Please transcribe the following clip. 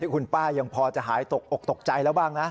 คุณป้ายังพอจะหายตกอกตกใจแล้วบ้างนะ